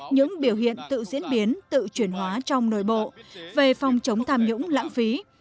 những biểu hiện tự diễn biến tự chuyển hóa trong nội bộ về phòng chống tham nhũng lãng phí